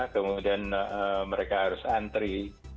kemudian mereka harus antri